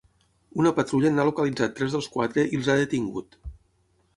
Una patrulla n’ha localitzat tres dels quatre i els ha detingut.